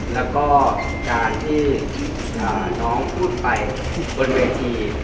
แล้วก็การที่น้องพูดไปบนเวที